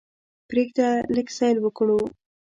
پریږده لږ سیل وکړو.